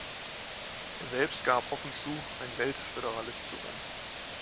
Er selbst gab offen zu ein Welt-Föderalist zu sein.